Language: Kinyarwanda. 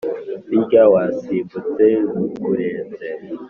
birya wasimbutse bikurenze